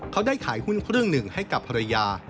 เขาได้ขายหุ้นเครื่องหนึ่งให้กับภรรยา